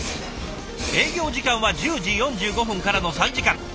営業時間は１０時４５分からの３時間。